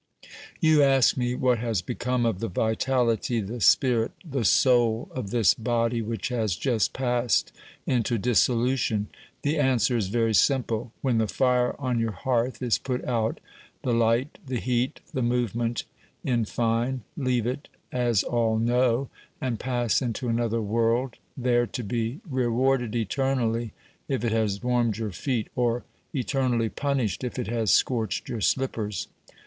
You ask me what has become of the vitality, the spirit, the soul of this body which has just passed into dissolution. The answer is very simple. When the fire on your hearth is put out, the light, the heat, the movement, in fine, leave it, as all know, and pass into another world, there to be 1 64 OBERMANN rewarded eternally if it has warmed your feet, or eternally punished if it has scorched your slippers.